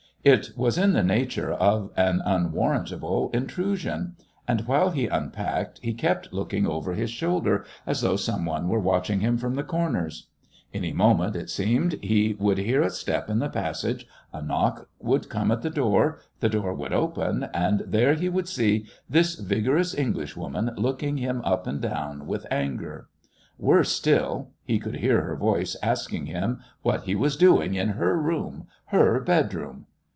It was in the nature of an unwarrantable intrusion; and while he unpacked he kept looking over his shoulder as though some one were watching him from the corners. Any moment, it seemed, he would hear a step in the passage, a knock would come at the door, the door would open, and there he would see this vigorous Englishwoman looking him up and down with anger. Worse still he would hear her voice asking him what he was doing in her room her bedroom.